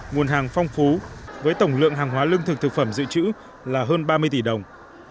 nguồn hàng phong phú với tổng lượng hàng hóa lương thực thực phẩm dự trữ là hơn ba mươi tỷ đồng